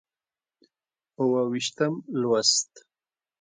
اووه ویشتم لوست